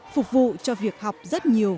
phục vụ cho việc học rất nhiều